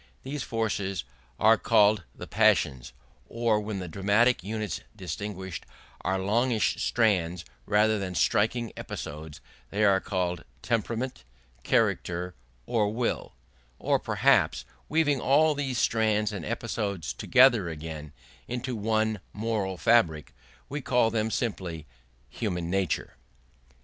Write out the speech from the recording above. These forces are called the passions; or when the dramatic units distinguished are longish strands rather than striking episodes, they are called temperament, character, or will; or perhaps, weaving all these strands and episodes together again into one moral fabric, we call them simply human nature.